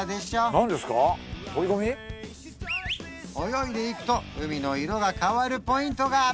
泳いでいくと海の色が変わるポイントが！